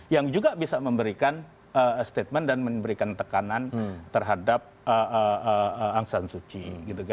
yang juga bisa memberikan statement dan memberikan tekanan terhadap aung san suu kyi